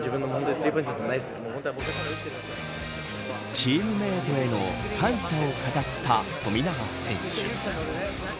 チームメートへの感謝を語った富永選手。